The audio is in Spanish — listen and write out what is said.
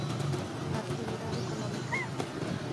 Actividad económica.